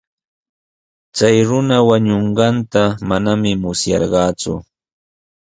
Chay runa wañunqanta manami musyarqaaku.